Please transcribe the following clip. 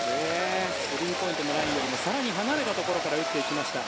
スリーポイントのラインよりも更に離れたところから打っていきました。